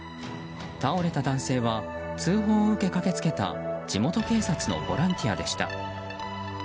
倒れた男性は通報を受け駆けつけた地元警察のボランティアでした。